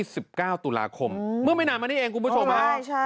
เมื่อ๒๙ตุลาคมเมื่อไม่นานมานี่เองคุณผู้ชมครับ